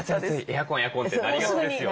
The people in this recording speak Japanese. エアコンエアコン！ってなりがちですよね。